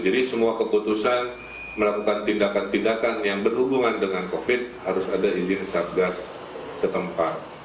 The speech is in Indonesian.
jadi semua keputusan melakukan tindakan tindakan yang berhubungan dengan covid sembilan belas harus ada izin satgas setempat